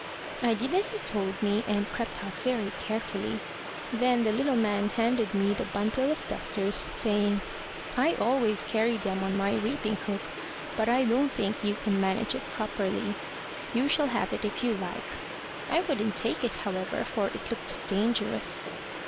I did as he told me, and crept out very carefully. Then the little man handed me the bundle of dusters, saying, `I always carry them on my reaping hook, but I don't think you could manage it properly. You shall have it if you like.' I wouldn't take it, however, for it looked dangerous.